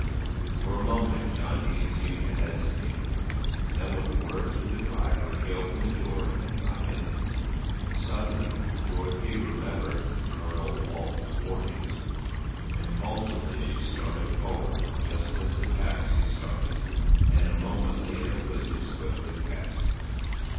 For a moment John Dene seemed to hesitate, then with a word to the driver he opened the door and got in. Suddenly Dorothy remembered Colonel Walton's warning. Impulsively she started forward, just as the taxi started and a moment later whizzed swiftly past her.